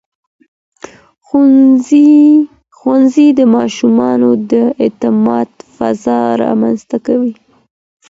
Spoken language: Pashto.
ښوونځي د ماشومانو د اعتماد فضا رامنځته کوي.